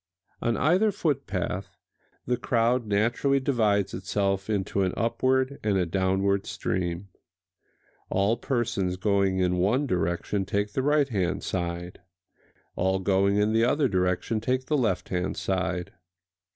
On either footpath the crowd naturally divides itself into an upward and a downward stream. All persons going in one direction take the right hand side; all going in the other direction take the left hand side.